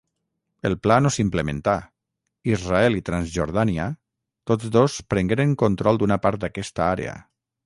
El pla no s'implementà; Israel i Transjordània, tots dos prengueren control d'una part d'aquesta àrea.